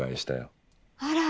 あら。